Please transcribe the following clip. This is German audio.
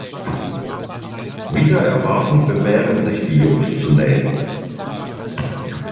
Wider Erwarten bewähren sich die Jungs zunächst.